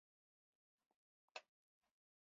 دغه راز د قانون د حاکمیت په برخو کې خدمتونه پرمخ وړي.